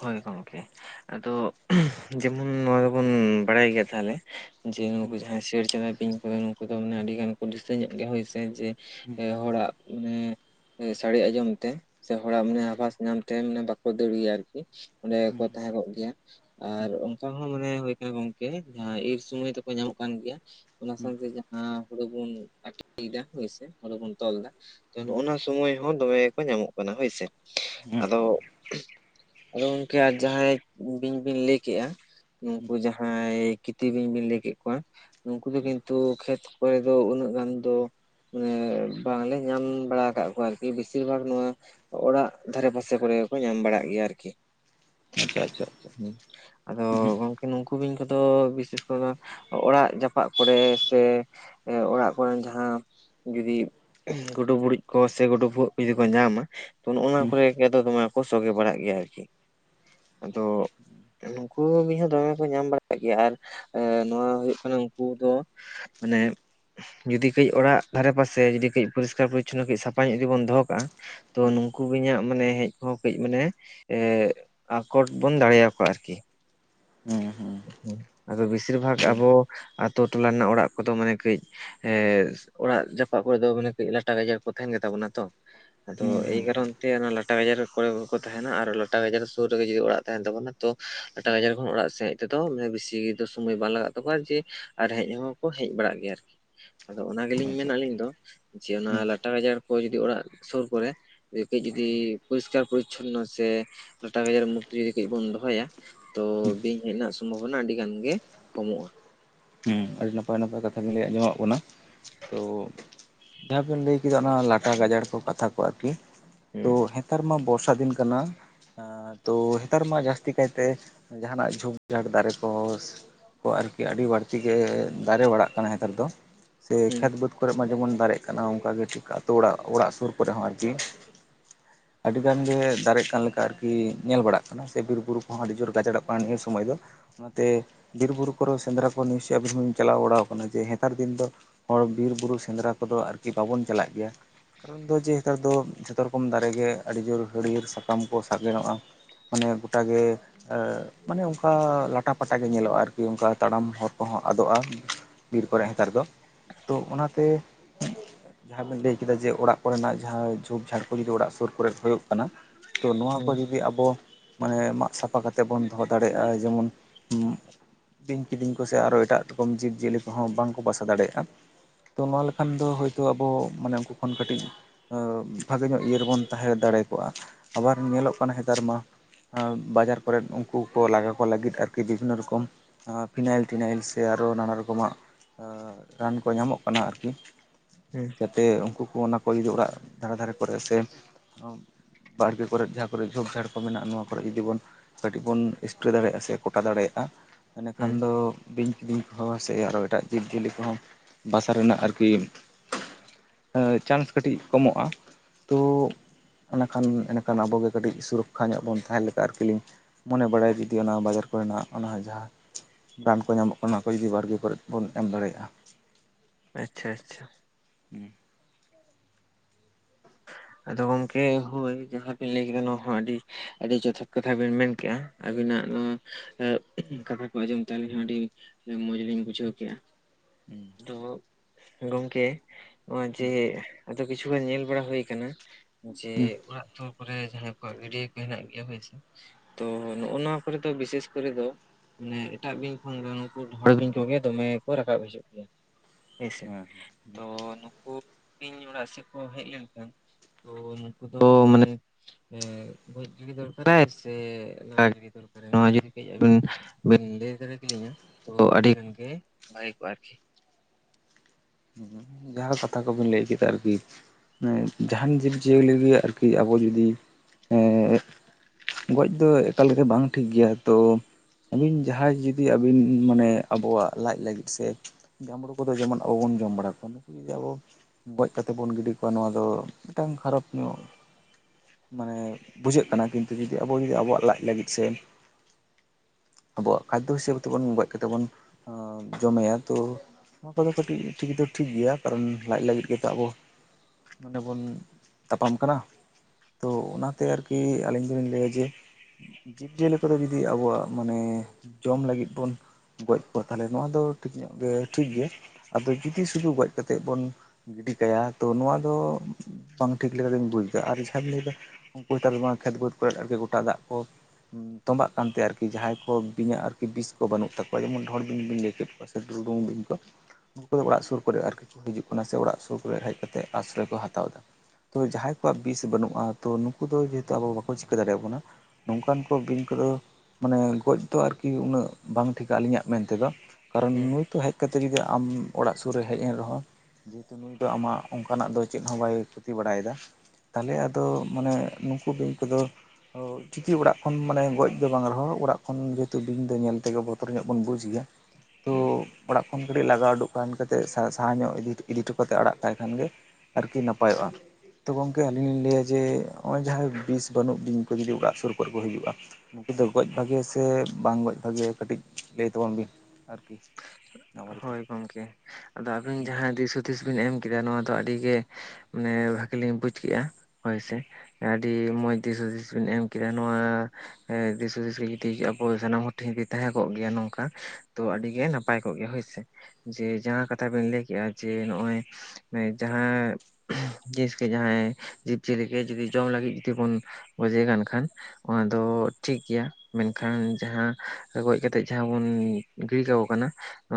ᱦᱳᱭ ᱜᱚᱝᱠᱮ ᱟᱫᱚ ᱡᱮᱢᱚᱱ ᱱᱚᱣ ᱵᱚᱱ ᱵᱟᱲᱟᱭ ᱜᱮᱭᱟ ᱛᱟᱦᱚᱞᱮ᱾ ᱡᱮ ᱱᱩᱠᱩ ᱡᱟᱦᱟᱸᱭ ᱥᱤᱭᱟᱹᱲ ᱪᱟᱟᱭ ᱵᱤᱧ ᱠᱚᱫᱚ ᱱᱩᱠᱩ ᱫᱚ ᱢᱟᱱᱮ ᱟᱹᱰᱤ ᱜᱟᱱ ᱠᱚ ᱰᱷᱤᱥᱟᱹ ᱧᱚᱜ ᱜᱮᱭᱟ ᱦᱳᱭᱥᱮ ᱡᱮ᱾ ᱦᱚᱲᱟᱜ ᱢᱟᱱᱮ ᱥᱟᱹᱲᱮ ᱟᱸᱡᱚᱢ ᱛᱮ ᱥᱮ ᱦᱚᱲᱟᱜ ᱢᱟᱱᱮ ᱟᱵᱷᱟᱥ ᱧᱟᱢᱼᱼ ᱵᱟᱠᱚ ᱫᱟᱹᱲ ᱜᱮᱭᱟ ᱟᱨᱠᱤ ᱚᱸᱰᱮ ᱠᱚ ᱛᱟᱦᱮᱸ ᱠᱚᱜ ᱜᱮᱭᱟ ᱟᱨᱼᱼ ᱛᱟᱦᱚᱸ ᱢᱟᱱᱮ ᱦᱳᱭ ᱠᱟᱱᱟ ᱜᱚᱝᱠᱮ ᱡᱟᱦᱟᱸ ᱤᱨ ᱥᱛᱢᱟᱹᱭ ᱫᱚᱠᱚ ᱧᱟᱢᱚᱜ ᱠᱟᱱ ᱜᱮᱭᱟ ᱚᱱᱟ ᱥᱟᱶᱛᱮ᱾ ᱟ ᱦᱩᱲᱩ ᱵᱩᱱ ᱟᱴᱤᱭᱫᱟ ᱦᱳᱭᱥᱮ ᱦᱩᱲᱩ ᱵᱚᱱ ᱛᱚᱞᱫᱟ ᱛᱚ ᱱᱝᱚᱱᱟ ᱥᱚᱢᱚᱭᱼᱼ ᱦᱚᱸ ᱫᱚᱢᱮ ᱠᱚ ᱧᱟᱢᱚᱜ ᱠᱟᱱᱟ ᱦᱳᱭᱥᱮ ᱟᱫᱚ ᱟᱫᱚ ᱜᱚᱝᱠᱮ ᱟᱨ ᱡᱟᱦᱟᱸᱭ ᱵᱤᱧ ᱵᱤᱱ ᱞᱟᱹᱭ ᱠᱮᱜᱼᱟ ᱱᱩᱠᱩ ᱡᱟᱦᱟᱸᱭ ᱠᱤᱛ ᱛᱤ ᱵᱤᱧ ᱵᱤᱱ ᱞᱟᱹᱭ ᱠᱮᱫ ᱠᱚᱣᱟ ᱱᱩᱠᱩ ᱫᱚ ᱠᱤᱱᱛᱩ ᱠᱷᱮᱛ ᱠᱚᱨᱮ ᱫᱚ ᱩᱱᱟᱹᱜ ᱜᱟᱱ ᱫᱚ ᱢᱟᱱᱮ ᱵᱟᱝᱞᱮ ᱧᱟᱢ ᱵᱟᱲᱟ ᱠᱟᱜ ᱠᱚᱣᱟ ᱟᱨ ᱠᱤ ᱵᱮᱥᱤᱨ ᱵᱷᱟᱜᱽ ᱱᱚᱣᱟ ᱚᱲᱟᱜ ᱫᱷᱟᱨᱮ ᱵᱟᱥᱮ ᱠᱚᱨᱮ ᱠᱚ ᱧᱟᱢ ᱵᱟᱲᱟᱜ ᱜᱮᱭᱟ ᱟᱨᱠᱤ ᱟᱪᱪᱷᱟ ᱟᱪᱪᱷᱟ ᱟᱪᱪᱷᱟ ᱟᱫᱚ ᱜᱚᱝᱠᱮ ᱱᱩᱠᱩ ᱵᱤᱧ ᱠᱚᱫᱚ ᱵᱤᱥᱮᱥ ᱠᱚᱨᱮ ᱚᱲᱟᱜ ᱡᱟᱯᱟᱜ ᱠᱚᱨᱮ ᱥᱮ ᱮ ᱚᱲᱟᱜ ᱠᱚᱨᱮᱱ ᱡᱟᱦᱟᱸ ᱡᱩᱫᱤ ᱜᱩᱰᱩ ᱵᱩᱲᱩᱡ ᱠᱚ ᱥᱮ ᱜᱩᱰᱩ ᱵᱷᱩᱜᱟᱹᱜ ᱠᱚ ᱡᱩᱫᱤ ᱠᱚ ᱧᱟᱢᱟ ᱛᱚ ᱱᱚᱜ-ᱱᱟ ᱠᱚᱨᱮ ᱜᱮ ᱟᱫᱚ ᱫᱚᱢᱮ ᱠᱚ ᱥᱚᱜᱮ ᱵᱟᱲᱟᱜ ᱜᱮᱭᱟ ᱟᱨᱠᱤ ᱾ ᱟᱫᱚ ᱱᱩᱠᱩ ᱵᱤᱧ ᱦᱚᱸ ᱫᱚᱢᱮ ᱠᱚ ᱧᱟᱢ ᱵᱟᱲᱟᱜ ᱜᱮᱭᱟ ᱟᱨ ᱱᱚᱣᱟ ᱦᱩᱭᱩᱜ ᱠᱟᱱᱟ ᱩᱱᱠᱩ ᱫᱚ ᱢᱟᱱᱮ ᱡᱩᱫᱤ ᱠᱟᱹᱡ ᱚᱲᱟᱜ ᱫᱷᱟᱨᱮ ᱯᱟᱥᱮ ᱡᱩᱫᱤ ᱠᱟᱹᱡ ᱯᱨᱤᱥᱠᱟᱨ ᱯᱚᱨᱤᱪᱷᱚᱱᱚ ᱠᱟᱹᱡ ᱥᱟᱯᱷᱟ ᱧᱚᱜ ᱡᱩᱫᱤ ᱵᱚᱱ ᱫᱚᱦᱚ ᱠᱟᱜ-ᱟ-ᱼ ᱛᱚ ᱱᱩᱠᱩ ᱵᱤᱧᱟᱜ ᱢᱟᱱᱮ ᱦᱮᱡ ᱦᱚᱸ ᱠᱟᱹᱡ ᱢᱟᱱᱮ ᱟᱠᱚᱴ ᱵᱚᱱ ᱫᱟᱲᱮᱭᱟᱠᱚᱣᱟ ᱟᱨᱠᱤ ᱾ ᱦᱩᱸ ᱦᱩᱸ ᱾ ᱟᱫᱚ ᱵᱮᱥᱤᱨ ᱵᱷᱟᱜᱽ ᱟᱵᱚ ᱟᱛᱩ ᱴᱚᱞᱟ ᱨᱮᱱᱟᱜ ᱚᱲᱟᱜ ᱠᱚᱫᱚ ᱢᱟᱱᱮ ᱠᱟᱹᱡ ᱮᱸ ᱚᱲᱟᱜ ᱡᱟᱯᱟᱜ ᱠᱚᱨᱮ ᱫᱚ ᱢᱟᱱᱮ ᱠᱟᱹᱡ ᱞᱟᱴᱟ ᱜᱟᱡᱟᱲ ᱠᱚ ᱛᱟᱦᱮᱱ ᱜᱮ ᱛᱟᱵᱚᱱᱟ ᱛᱚ ᱾ ᱟᱫᱚ ᱮᱭ ᱠᱟᱨᱚᱱ ᱛᱮ ᱚᱱᱟ ᱞᱟᱴᱟ ᱜᱟᱡᱟᱨ ᱠᱚᱨᱮ ᱠᱚ ᱛᱟᱦᱮᱸᱱᱟ ᱟᱨ ᱞᱟᱴᱟ ᱜᱟᱡᱟᱨ ᱥᱩᱨ ᱨᱮᱜᱮ ᱡᱩᱫᱤ ᱚᱲᱟᱜ ᱛᱟᱦᱮᱸᱱ ᱛᱟᱵᱚᱱᱟ ᱛᱚ ᱞᱟᱴᱟ ᱜᱟᱡᱟᱨ ᱠᱷᱚᱱ ᱚᱲᱟᱜ ᱥᱮᱫ ᱛᱮᱫᱚ ᱵᱮᱥᱤ ᱫᱚ ᱥᱚᱢᱚᱭ ᱵᱟᱝ ᱞᱟᱜᱟᱜ ᱛᱟᱠᱚᱣᱟ ᱡᱮ ᱟᱨ ᱦᱮᱡ ᱦᱚᱸᱠᱚ ᱦᱮᱡ ᱵᱟᱲᱟᱜ ᱜᱮᱭᱟ ᱟᱨᱠᱤ ᱾ ᱟᱫᱚ ᱚᱱᱟ ᱟᱪᱪᱷᱟ ᱜᱮᱞᱤᱧ ᱟᱪᱪᱷᱟ ᱢᱮᱱᱟ ᱟᱹᱞᱤᱧ ᱫᱚ ᱡᱮ ᱚᱱᱟ ᱞᱟᱴᱟ ᱜᱟᱡᱟᱲ ᱠᱚ ᱡᱩᱫᱤ ᱚᱲᱟᱜ ᱥᱩᱨ ᱠᱚᱨᱮ ᱠᱟᱹᱡ ᱡᱩᱫᱤ ᱯᱚᱨᱤᱥᱠᱟᱨ ᱯᱚᱨᱤᱪᱪᱷᱚᱱᱱᱚ ᱥᱮ ᱞᱟᱴᱟ ᱜᱟᱡᱟᱨ ᱢᱩᱠᱛᱤ ᱡᱩᱫᱤ ᱠᱟᱹᱡ ᱵᱚᱱ ᱫᱚᱦᱚᱭᱟ ᱾ ᱛᱚ ᱵᱤᱧ ᱦᱮᱡ ᱨᱮᱱᱟᱜ ᱥᱚᱢᱵᱷᱚᱵᱚᱱᱟ ᱟᱹᱰᱤᱜᱟᱱ ᱜᱮ ᱠᱚᱢᱚᱜ-ᱟ ᱾ ᱦᱮᱸ ᱟᱹᱰᱤ ᱱᱟᱯᱟᱭ ᱱᱟᱯᱟᱭ ᱠᱟᱛᱷᱟ ᱵᱤᱱ ᱞᱟᱹᱭ ᱟᱸᱡᱚᱢᱟᱜ ᱵᱚᱱᱟ ᱛᱚ ᱡᱟᱦᱟᱸ ᱵᱮᱱ ᱞᱟᱹᱭ ᱠᱮᱫᱟ ᱚᱱᱟ ᱞᱟᱴᱟ ᱜᱟᱡᱟᱲ ᱠᱚ ᱠᱟᱛᱷᱟ ᱠᱚ ᱟᱨᱠᱤ ᱦᱩᱸ ᱛᱚ ᱦᱮᱛᱟᱨ ᱢᱟ ᱵᱚᱨᱥᱟ ᱫᱤᱱ ᱠᱟᱱᱟ ᱛᱚ ᱱᱮᱛᱟᱨ ᱢᱟ ᱡᱟᱹᱥᱛᱤ ᱠᱟᱭᱛᱮ ᱡᱟᱦᱟᱸᱱᱟᱜ ᱡᱷᱩᱯ ᱡᱷᱟᱴ ᱫᱟᱨᱮ ᱠᱚ ᱠᱚ ᱟᱨᱠᱤ ᱟᱹᱰᱤ ᱵᱟᱹᱲᱛᱤ ᱜᱮ ᱫᱟᱨᱮ ᱵᱟᱲᱟᱜ ᱠᱟᱱᱟ ᱦᱮᱛᱟᱨ ᱫᱚ ᱥᱮ ᱦᱩᱸ ᱠᱷᱮᱛ ᱵᱟᱹᱫᱽ ᱠᱚᱨᱮ ᱢᱟ ᱡᱮᱢᱚᱱ ᱫᱟᱨᱮᱜ ᱠᱟᱱᱟ ᱚᱝᱠᱟ ᱜᱮ ᱴᱷᱤᱠ ᱟᱹᱛᱩ ᱚᱲᱟᱜ ᱚᱲᱟᱜ ᱥᱩᱨ ᱠᱚᱨᱮ ᱦᱚᱸ [unintelligible] [inaudible] ᱟᱹᱰᱤ ᱜᱟᱱ ᱜᱮ ᱫᱟᱨᱮᱜ ᱠᱟᱱ ᱞᱮᱠᱟ ᱟᱨᱠᱤ ᱧᱮᱞ ᱵᱟᱲᱟᱜ ᱠᱟᱱᱟ ᱥᱮ ᱵᱤᱨᱵᱩᱨᱩ ᱠᱚᱦᱚᱸ ᱟᱹᱰᱤ ᱡᱩᱨ ᱜᱟᱡᱟᱲᱚᱜ ᱠᱟᱱᱟ ᱱᱤᱭᱟᱹ ᱥᱚᱢᱚᱭ ᱫᱚ ᱾ ᱚᱱᱟᱛᱮ ᱵᱤᱨᱵᱩᱨᱩ ᱠᱚᱨᱮ ᱥᱮᱸᱫᱽᱨᱟ ᱠᱚ ᱱᱤᱥᱪᱚᱭ ᱟᱵᱤᱱ ᱦᱚᱸ ᱵᱤᱱ ᱪᱟᱞᱟᱣ ᱵᱟᱲᱟᱣ ᱠᱟᱱᱟ ᱡᱮ ᱦᱮᱛᱟᱨ ᱫᱤᱱ ᱫᱚ ᱦᱚᱲ ᱵᱤᱨ ᱵᱩᱨᱩ ᱥᱮᱸᱫᱽᱨᱟ ᱠᱚᱫᱚ ᱟᱨᱠᱤ ᱵᱟᱵᱚᱱ ᱪᱟᱞᱟᱜ ᱜᱮᱭᱟ ᱾ ᱠᱟᱨᱚᱱ ᱫᱚ ᱡᱮ ᱦᱮᱛᱟᱨ ᱫᱚ ᱡᱷᱚᱛᱚ ᱨᱚᱠᱚᱢ ᱫᱟᱨᱮᱜ ᱜᱮ ᱟᱹᱰᱤ ᱡᱩᱨ ᱦᱟᱹᱨᱭᱟᱹᱨ ᱥᱟᱠᱟᱢ ᱠᱚ ᱥᱟᱜᱮᱱᱚᱜ-ᱟ ᱾ ᱢᱟᱱᱮ ᱜᱚᱴᱟ ᱜᱮ ᱢᱟᱱᱮ ᱚᱝᱠᱟ ᱞᱟᱴᱟᱯᱟᱴᱟ ᱜᱮ ᱧᱮᱞᱚᱜ-ᱟ ᱟᱨᱠᱤ ᱚᱝᱠᱟ ᱛᱟᱲᱟᱢ ᱦᱚᱨ ᱠᱚᱦᱚᱸ ᱟᱫᱚᱜ-ᱟ ᱵᱤᱨ ᱠᱚᱨᱮᱜ ᱦᱮᱛᱟᱨ ᱫᱚ, ᱛᱚ ᱚᱱᱟᱛᱮ ᱡᱟᱦᱟᱸ ᱵᱤᱱ ᱞᱟᱹᱭ ᱠᱮᱫᱟ ᱡᱮ ᱚᱲᱟᱜ ᱠᱚᱨᱮᱱᱟᱜ ᱡᱟᱦᱟᱸ ᱡᱷᱩᱯ ᱡᱷᱟᱴ ᱠᱚ ᱡᱩᱫᱤ ᱚᱲᱟᱜ ᱥᱩᱨ ᱠᱚᱨᱮ ᱦᱩᱭᱩᱜ ᱠᱟᱱᱟ ᱛᱚ ᱱᱚᱣᱟ ᱠᱚ ᱦᱩᱸ ᱡᱩᱫᱤ ᱟᱵᱚ ᱢᱟᱱᱮ ᱢᱟᱜ ᱥᱟᱯᱷᱟ ᱠᱟᱛᱮ ᱵᱚᱱ ᱫᱚᱦᱚ ᱫᱟᱲᱮᱭᱟᱜ-ᱟ ᱡᱮᱢᱚᱱ ᱵᱤᱧ ᱠᱤᱫᱤᱧ ᱥᱮ ᱟᱨᱚ ᱮᱴᱟᱜ ᱨᱚᱠᱚᱢ ᱡᱤᱵᱽ ᱡᱤᱭᱟᱹᱞᱤ ᱠᱚᱦᱚᱸ ᱵᱟᱝᱠᱚ ᱵᱟᱥᱟ ᱫᱟᱲᱮᱭᱟᱜ-ᱟ ᱾ ᱛᱚ ᱱᱚᱣᱟ ᱞᱮᱠᱷᱟᱱ ᱫᱚ ᱦᱳᱭᱛᱳ ᱟᱵᱚ ᱢᱟᱱᱮ ᱩᱱᱠᱩ ᱠᱷᱚᱱ ᱠᱟᱹᱴᱤᱡ ᱵᱷᱟᱜᱮ ᱧᱚᱜ ᱤᱭᱟᱹ ᱨᱮᱵᱚᱱ ᱛᱟᱦᱮᱸ ᱫᱟᱲᱮ ᱠᱚᱜ-ᱟ ᱾ ᱟᱵᱟᱨ ᱧᱮᱞᱚᱜ ᱠᱟᱱᱟ ᱦᱮᱛᱟᱨ ᱢᱟ ᱵᱟᱡᱟᱨ ᱠᱚᱨᱮᱫ ᱩᱱᱠᱩ ᱠᱚ ᱞᱟᱜᱟ ᱠᱚ ᱞᱟᱹᱜᱤᱫ ᱟᱨᱠᱤ ᱵᱤᱵᱷᱤᱱᱱᱚ ᱨᱚᱠᱚᱢ ᱯᱷᱤᱱᱟᱭᱤᱞ ᱴᱤᱱᱟᱭᱤᱞ ᱥᱮ ᱟᱨᱚ ᱱᱟᱱᱟ ᱨᱚᱠᱚᱢᱟᱜ ᱨᱟᱱ ᱠᱚ ᱧᱟᱢᱚᱜ ᱠᱟᱱᱟ ᱟᱨᱠᱤ ᱾ ᱦᱩᱸ ᱡᱟᱛᱮ ᱩᱱᱠᱩ ᱠᱚ ᱚᱱᱟ ᱠᱚ ᱡᱩᱫᱤ ᱚᱲᱟᱜ ᱫᱷᱟᱨᱮ ᱫᱷᱟᱨᱮ ᱠᱚᱨᱮ ᱥᱮ ᱵᱟᱲᱜᱮ ᱠᱚᱨᱮᱫ ᱡᱟᱦᱟᱸ ᱠᱚᱨᱮᱜ ᱡᱷᱩᱯ ᱡᱷᱟᱲ ᱠᱚ ᱢᱮᱱᱟᱜ-ᱟ ᱱᱚᱣᱟ ᱠᱚᱨᱮᱫ ᱡᱩᱫᱤ ᱵᱚᱱ ᱠᱟᱹᱴᱤᱡ ᱵᱚᱱ ᱤᱥᱴᱟᱹ ᱫᱟᱲᱮᱭᱟᱜ-ᱟ ᱥᱮ ᱠᱚᱴᱟ ᱫᱟᱲᱮᱭᱟᱜ-ᱟ ᱠᱷᱟᱱ ᱦᱩᱸ ᱫᱚ ᱵᱤᱧ ᱠᱤᱫᱤᱧ ᱠᱚᱦᱚᱸ ᱥᱮ ᱟᱨᱚ ᱮᱴᱟᱜ ᱡᱤᱵᱽ ᱡᱤᱭᱟᱹᱞᱤ ᱠᱚᱦᱚᱸ ᱵᱟᱥᱟ ᱨᱮᱱᱟᱜ ᱟᱨᱠᱤ ᱪᱟᱱᱥ ᱠᱟᱹᱴᱤᱡ ᱠᱚᱢᱚᱜ-ᱟ ᱛᱳᱻ ᱤᱱᱟᱹ ᱠᱷᱟᱱ ᱮᱸᱰᱮᱠᱷᱟᱱ ᱟᱵᱚᱜᱮ ᱠᱟᱹᱴᱤᱡ ᱥᱩᱨᱚᱠᱠᱷᱟ ᱧᱚᱜ ᱵᱚᱱ ᱛᱟᱦᱮᱸ ᱞᱮᱠᱟ ᱟᱨᱠᱤ ᱢᱚᱱᱮ ᱵᱟᱲᱟᱭ ᱤᱫᱤᱜ ᱛᱮᱜᱤ ᱚᱱᱟ ᱵᱟᱡᱟᱨ ᱠᱚ ᱨᱮᱱᱟᱜ ᱚᱱᱟ ᱡᱟᱦᱟᱸ ᱨᱟᱱ ᱠᱚ ᱧᱟᱢᱚᱜ ᱠᱟᱱᱟ, ᱚᱠᱚᱭ ᱡᱩᱫᱤ ᱵᱟᱲᱜᱮ ᱠᱚᱨᱮᱫ ᱵᱚᱱ ᱮᱢ ᱫᱟᱲᱮᱭᱟᱜ-ᱟ᱾ ᱟᱪᱪᱷᱟ ᱟᱪᱪᱷᱟ ᱟᱫᱚ ᱜᱚᱝᱠᱮ ᱦᱳᱭ, ᱡᱟᱦᱟᱸ ᱵᱤᱱ ᱞᱟᱹᱭ ᱠᱮᱫᱟ ᱱᱚᱣᱟ ᱦᱚᱸ ᱟᱹᱰᱤ ᱟᱹᱰᱤ ᱡᱚᱛᱷᱟᱛ ᱠᱟᱛᱷᱟ ᱵᱤᱱ ᱢᱮᱱᱠᱮᱜ-ᱟ, ᱟᱹᱵᱤᱱᱟᱜ ᱱᱚᱣᱟ ᱠᱟᱛᱷᱟ ᱠᱚ ᱟᱸᱡᱚᱢ ᱛᱮ ᱟᱹᱞᱤᱧ ᱦᱚᱸ ᱟᱹᱰᱤ ᱢᱚᱡᱽ ᱞᱤᱧ ᱵᱩᱡᱷᱟᱹᱣ ᱠᱮᱜ-ᱟ᱾ [inaudible] ᱛᱚ ᱜᱚᱝᱠᱮ, ᱱᱚᱜ-ᱚᱭ ᱡᱮ ᱟᱫᱚ ᱠᱤᱪᱷᱩ ᱜᱟᱱ ᱧᱮᱞ ᱵᱟᱲᱟ ᱦᱳᱭ ᱟᱠᱟᱱᱟ, ᱡᱮ [inaudible] ᱯᱚᱨᱮ ᱡᱟᱦᱟᱸᱭ ᱠᱚᱣᱟᱜ ᱜᱟᱹᱰᱭᱟᱹ ᱠᱚ ᱦᱮᱱᱟᱜ ᱜᱮᱭᱟ ᱦᱳᱭ ᱥᱮ, ᱛᱚ ᱱᱚᱜ-ᱚ ᱱᱚᱣᱟ ᱠᱚᱨᱮ ᱫᱚ ᱵᱤᱥᱮᱥ ᱠᱚᱨᱮ ᱫᱚ ᱢᱟᱱᱮ ᱮᱴᱟᱜ ᱵᱤᱧ ᱠᱷᱚᱱ ᱫᱚ, ᱱᱩᱠᱩ ᱰᱷᱚᱲ ᱵᱤᱧ ᱠᱚᱜᱮ ᱫᱚᱢᱮ ᱠᱚ ᱨᱟᱠᱟᱵ ᱦᱤᱡᱩᱜ ᱦᱮᱸ ᱥᱮ ᱛᱚ ᱱᱩᱠᱩ ᱵᱤᱧ ᱚᱲᱟᱜ ᱥᱮᱫ ᱠᱚ ᱦᱮᱡ ᱞᱮᱱᱠᱷᱟᱱ ᱛᱚ ᱱᱩᱠᱩ ᱫᱚ ᱢᱟᱱᱮ ᱜᱚᱡ ᱜᱤᱲᱤ ᱫᱚᱨᱠᱟᱨ ᱥᱮ [unintelligible] ᱫᱚᱨᱠᱟᱨ ᱱᱚᱣᱟ ᱡᱩᱫᱤ ᱠᱟᱹᱡ ᱟᱵᱤᱱ ᱵᱤᱱ ᱞᱟᱹᱭ ᱫᱟᱲᱮ ᱠᱤᱞᱤᱧᱟ [unintelligible] ᱛᱚ ᱟᱹᱰᱤ ᱜᱟᱱ ᱜᱮ ᱵᱷᱟᱜᱮ ᱠᱚᱜ-ᱟ, ᱟᱨᱠᱤ ᱡᱟᱦᱟᱸ ᱠᱟᱛᱷᱟ ᱠᱚ ᱵᱤᱱ ᱞᱟᱹᱭ ᱠᱮᱫᱟ, ᱟᱨᱠᱤ ᱡᱟᱦᱟᱸᱱ ᱡᱤᱵᱽ ᱡᱤᱭᱟᱹᱞᱤ ᱟᱨᱠᱤ ᱟᱵᱚ ᱡᱩᱫᱤ ᱮᱻ ᱜᱚᱡ ᱫᱚ ᱮᱠᱟᱞ ᱜᱮ ᱵᱟᱝ ᱴᱷᱤᱠ ᱜᱮᱭᱟ, ᱛᱚ ᱟᱹᱵᱤᱱ ᱡᱟᱦᱟᱸᱭ ᱡᱩᱫᱤ ᱟᱹᱵᱤᱱ ᱢᱟᱱᱮ ᱟᱵᱚᱣᱟᱜ ᱞᱟᱡ ᱞᱟᱹᱜᱤᱫ ᱥᱮ ᱡᱟᱢᱲᱳ ᱠᱚᱫᱚ ᱡᱮᱢᱚᱱ ᱟᱵᱚ ᱵᱚᱱ ᱡᱚᱢ ᱵᱟᱲᱟ ᱠᱚᱣᱟ, ᱱᱩᱠᱩ ᱡᱩᱫᱤ ᱟᱵᱚ ᱜᱚᱡ ᱠᱟᱛᱮ ᱵᱚᱱ ᱜᱤᱰᱤ ᱠᱚᱣᱟ, ᱱᱚᱣᱟ ᱫᱚ ᱢᱤᱫᱴᱟᱝ ᱠᱷᱟᱨᱟᱯ ᱧᱚᱜ ᱢᱟᱱᱮ ᱵᱩᱡᱷᱟᱹᱜ ᱠᱟᱱᱟ ᱠᱤᱱᱛᱩ ᱡᱫᱤ ᱟᱵᱚ ᱡᱩᱫᱤ ᱟᱵᱚᱣᱟᱜ ᱞᱟᱡ ᱞᱟᱹᱜᱤᱫ ᱥᱮ ᱟᱵᱚᱣᱟᱜ ᱠᱷᱟᱫᱚ ᱦᱤᱥᱟᱹᱵ ᱛᱮᱵᱚᱱ ᱜᱚᱡ ᱠᱟᱛᱮ ᱵᱚᱱ ᱡᱚᱢᱮᱭᱟ ᱛᱚ ᱱᱚᱣᱟ ᱠᱚᱫᱚ ᱴᱷᱤᱠ ᱴᱷᱤᱠ ᱜᱮᱭᱟ, ᱠᱟᱨᱚᱱ ᱞᱟᱡ ᱞᱟᱜᱤᱫ ᱜᱮᱛᱚ ᱟᱵᱚ ᱢᱟᱱᱮ ᱵᱚᱱ ᱛᱟᱯᱟᱢ ᱠᱟᱱᱟ, ᱛᱚ ᱚᱱᱟ ᱛᱮ ᱟᱨᱠᱤ ᱟᱹᱞᱤᱧ ᱫᱚᱞᱤᱧ ᱞᱟᱹᱭᱟ ᱡᱮ ᱡᱤᱵᱽ-ᱡᱤᱭᱟᱹᱞᱤ ᱠᱚᱫᱚ ᱡᱩᱫᱤ ᱟᱵᱚᱣᱟᱜ ᱢᱟᱱᱮ ᱡᱚᱢ ᱞᱟᱹᱜᱤᱫ ᱵᱚᱱ ᱜᱚᱡ ᱠᱚᱣᱟ ᱛᱟᱦᱞᱮ ᱱᱚᱣᱟ ᱫᱚ ᱴᱷᱤᱠ ᱧᱚᱜ ᱜᱮ ᱴᱷᱤᱠ ᱜᱮᱭᱟ, ᱟᱫᱚ ᱡᱩᱫᱤ ᱥᱩᱫᱷᱩ ᱜᱚᱡ ᱠᱟᱛᱮᱫ ᱵᱚᱱ ᱜᱤᱰᱤ ᱠᱟᱭᱟ ᱛᱚ ᱱᱚᱣᱟ ᱫᱚ ᱵᱟᱝ ᱴᱷᱤᱠ ᱞᱮᱠᱟᱜᱤᱧ ᱵᱩᱡ ᱫᱟ, ᱟᱨ ᱡᱟᱦᱟᱸᱢ ᱞᱟᱹᱭ ᱫᱟ ᱩᱱᱠᱩ ᱦᱮᱸᱛᱟᱨ ᱢᱟ ᱠᱷᱮᱛᱽ ᱵᱟᱹᱫᱽ ᱠᱚᱨᱮᱫ ᱟᱨᱠᱤ ᱜᱚᱴᱟ ᱫᱟᱜ ᱠᱚ ᱛᱚᱸᱵᱟᱜ ᱠᱟᱱ ᱛᱮ ᱟᱨᱠᱤ ᱡᱟᱦᱟᱸᱭ ᱠᱚ ᱵᱤᱧᱟᱜ ᱵᱤᱥ ᱠᱚ ᱵᱟᱹᱱᱩᱜ ᱛᱟᱠᱚᱣᱟ, ᱡᱮᱢᱚᱱ ᱰᱷᱚᱸᱲ ᱵᱤᱧ ᱵᱤᱱ ᱞᱟᱹᱭ ᱠᱮᱫ ᱠᱚᱣᱟ ᱥᱮ ᱰᱩᱞᱩᱰᱩᱝ ᱵᱤᱧ ᱠᱚ, ᱱᱩᱠᱩ ᱫᱚ ᱦᱮᱸ ᱚᱲᱟᱜ ᱥᱩᱨ ᱠᱚᱨᱮ [inaudible] ᱦᱤᱡᱩᱜ ᱠᱟᱱᱟ ᱥᱮ ᱚᱲᱟᱜ ᱥᱳᱨ ᱠᱚᱨᱮ ᱦᱮᱡ ᱠᱟᱛᱮᱜ ᱟᱥᱨᱚᱭ ᱠᱚ ᱦᱟᱛᱟᱣ ᱫᱟ᱾ ᱛᱚ ᱡᱟᱦᱟᱸᱭ ᱠᱚᱣᱟᱜ ᱵᱤᱥ ᱵᱟᱹᱱᱩᱜᱼᱟ, ᱛᱚ ᱱᱩᱠᱩ ᱫᱚ ᱡᱮᱦᱮᱛᱩ ᱟᱵᱚ ᱫᱚ ᱵᱟᱠᱚ ᱪᱤᱠᱟᱹ ᱫᱟᱲᱮᱭᱟ ᱵᱚᱱᱟ, ᱱᱚᱝᱠᱟᱱ ᱠᱚ ᱵᱤᱧ ᱠᱚᱫᱚ ᱢᱟᱱᱮ ᱜᱚᱡ ᱫᱚ ᱟᱨᱠᱤ ᱩᱱᱟᱹᱜ ᱵᱟᱝ ᱴᱷᱤᱠ-ᱟ ᱟᱹᱞᱤᱧᱟᱜ ᱢᱮᱱ ᱛᱮᱫᱚ᱾ ᱠᱟᱨᱚᱱ ᱦᱮᱸ ᱱᱩᱭ ᱛᱚ ᱦᱮᱡ ᱠᱟᱛᱮᱜ ᱡᱚᱫᱤ ᱟᱢ ᱚᱲᱟᱜ ᱥᱩᱨ ᱨᱮ ᱦᱮᱡ ᱮᱱ ᱨᱮᱦᱚᱸ, ᱡᱮᱦᱮᱛᱩ ᱱᱩᱭ ᱫᱚ ᱟᱢᱟᱜ ᱚᱱᱠᱟᱱᱟᱜ ᱫᱚ ᱪᱮᱫ ᱦᱚᱸ ᱵᱟᱭ ᱠᱷᱩᱛᱤ ᱵᱟᱲᱟᱭ ᱫᱟ, ᱛᱟᱦᱚᱞᱮ ᱟᱫᱚ ᱢᱟᱱᱮ ᱱᱩᱠᱩ ᱵᱤᱧ ᱠᱚᱫᱚ ᱪᱤᱛᱤ ᱚᱲᱟᱜ ᱠᱷᱚᱱ ᱢᱟᱱᱮ ᱜᱚᱡ ᱫᱚ ᱵᱟᱝ ᱨᱮᱦᱚᱸ, ᱚᱲᱟᱜ ᱠᱷᱚᱱ ᱡᱮᱦᱮᱛᱩ ᱵᱤᱧ ᱫᱚ ᱧᱮᱞ ᱛᱮᱜᱮ ᱵᱚᱛᱚᱨ ᱧᱚᱜ ᱵᱚᱱ ᱵᱩᱡ ᱜᱮᱭᱟ᱾ ᱛᱚ ᱦᱮᱸ ᱚᱲᱟᱜ ᱠᱷᱚᱱ ᱠᱟᱹᱴᱤᱡ ᱞᱟᱜᱟ ᱩᱰᱩᱜ, ᱠᱟᱛᱮᱜ ᱥᱟ ᱥᱟᱦᱟ ᱧᱚᱜ ᱤᱫᱤ -ᱤᱫᱤ ᱦᱚᱴᱚ ᱠᱟᱛᱮᱫ ᱟᱲᱟᱜ ᱠᱷᱟᱱ ᱜᱮ, ᱟᱨᱠᱤ ᱱᱟᱯᱟᱭᱚᱜᱼᱟ᱾ ᱛᱚ ᱜᱚᱝᱠᱮ ᱟᱹᱞᱤᱧ ᱞᱤᱧ ᱞᱟᱹᱭᱟ ᱡᱮ ᱦᱚᱜ-ᱚᱭ ᱡᱟᱦᱟᱸᱭ ᱵᱤᱥ ᱵᱟᱹᱱᱩᱜ ᱵᱤᱧ ᱠᱚ ᱡᱩᱫᱤ ᱚᱲᱟᱜ ᱥᱳᱨ ᱠᱚᱨᱮ ᱠᱚ ᱦᱤᱡᱩᱜ-ᱟ, ᱩᱱᱩᱠᱩ ᱫᱚ ᱜᱚᱡ ᱵᱷᱟᱜᱮᱭᱟ ᱥᱮ ᱵᱟᱝ ᱜᱚᱡ ᱵᱷᱟᱜᱮᱭᱟ ᱠᱟᱹᱴᱤᱡ ᱞᱟᱹᱭ ᱛᱟᱵᱚᱱ ᱵᱤᱱ? [inaudible] ᱜᱚᱝᱠᱮ, ᱟᱫᱚ ᱟᱹᱵᱤᱱ ᱡᱟᱦᱟᱸᱭ ᱫᱤᱥ ᱦᱩᱫ ᱦᱩᱫᱤᱥ ᱵᱤᱱ ᱮᱢ ᱠᱮᱫᱟ ᱱᱚᱭᱟ ᱫᱚ ᱟᱹᱰᱤ ᱜᱮ, ᱢᱟᱱᱮ ᱵᱷᱟᱜᱮ ᱞᱤᱧ ᱵᱩᱡ ᱠᱮᱫ-ᱟ ᱦᱳᱭ ᱥᱮ᱾ ᱟᱹᱰᱤ ᱢᱚᱸᱡᱽ ᱫᱤᱥ ᱦᱩᱫᱤᱥ ᱵᱤᱱ ᱮᱢ ᱠᱮᱫᱟ ᱱᱚᱣᱟ ᱮ ᱫᱤᱥ ᱦᱩᱫᱤᱥ ᱜᱮ ᱡᱩᱫᱤ ᱦᱤᱡᱩᱜ-ᱟ ᱟᱵᱚ ᱥᱟᱱᱟᱢ ᱦᱚᱲ ᱴᱷᱮᱱ ᱡᱩᱫᱤ ᱛᱟᱦᱮᱸ ᱠᱚᱜ ᱜᱮᱭᱟ ᱱᱚᱝᱠᱟ᱾ ᱛᱚ ᱟᱹᱰᱤᱜᱮ ᱱᱟᱯᱟᱭ ᱠᱚᱜ-ᱟ᱾ ᱠᱟᱜ ᱜᱮᱭᱟ ᱦᱳᱭᱥᱮ᱾ ᱡᱮ ᱡᱟᱦᱟ ᱠᱟᱛᱷᱟ ᱵᱤᱱ ᱞᱟᱹᱭ ᱠᱮᱫ-ᱟ ᱡᱮ ᱱᱚᱜ-ᱚᱭ ᱡᱟᱦᱟᱸ, ᱡᱤᱱᱤᱥᱜᱮ ᱡᱟᱦᱟᱸᱭ ᱡᱤᱵ-ᱡᱤᱭᱟᱹᱞᱤ ᱜᱮ ᱡᱩᱫᱤ ᱡᱚᱢ ᱞᱟᱹᱜᱤᱫ ᱡᱩᱫᱤ ᱵᱚᱱ ᱜᱚᱡᱮ ᱠᱟᱱ ᱠᱷᱟᱱ ᱚᱱᱟ ᱫᱚ ᱴᱷᱤᱜ ᱜᱮᱭᱟ᱾ ᱢᱮᱱᱠᱷᱟᱱ ᱡᱟᱦᱟᱸ ᱜᱚᱡ ᱠᱟᱛᱮᱜ ᱡᱟᱦᱟᱸ ᱵᱚᱱ ᱜᱤᱲᱤ ᱠᱟᱠᱚ ᱠᱟᱱᱟ᱾ ᱱᱚᱣᱟ ᱠᱚ